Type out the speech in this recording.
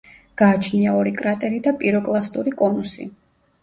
გააჩნია ორი კრატერი და პიროკლასტური კონუსი.